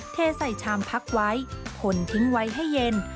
เทใส่ชามพักไว้ขนทิ้งไว้ให้เย็น